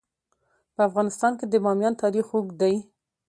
په افغانستان کې د بامیان تاریخ اوږد دی.